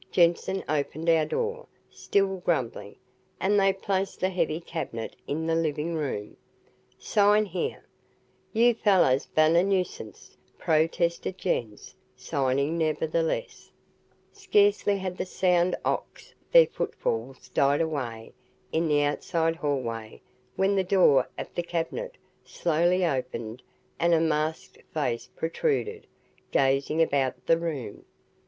Jensen opened our door, still grumbling, and they placed the heavy cabinet in the living room. "Sign here." "You fallers bane a nuisance," protested Jens, signing nevertheless. Scarcely had the sound ox their footfalls died away in the outside hallway when the door of the cabinet slowly opened and a masked face protruded, gazing about the room.